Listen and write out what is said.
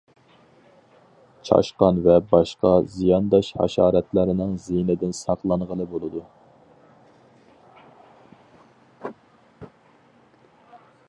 چاشقان ۋە باشقا زىيانداش ھاشاراتلارنىڭ زىيىنىدىن ساقلانغىلى بولىدۇ.